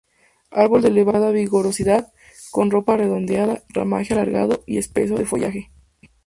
Árbol de elevada vigorosidad, con copa redondeada, ramaje alargado y espeso de follaje.